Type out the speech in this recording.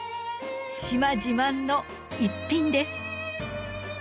島自慢の逸品です。